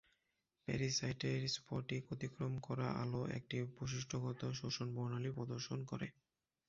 প্যারিসাইটের স্ফটিক অতিক্রম করা আলো একটি বৈশিষ্ট্যগত শোষণ বর্ণালী প্রদর্শন করে।